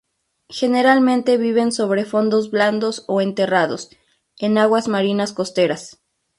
Generalmente viven sobre fondos blandos o enterrados, en aguas marinas costeras.